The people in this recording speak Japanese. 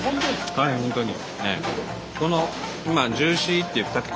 はい本当に。